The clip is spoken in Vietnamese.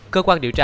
cơ quan điều tra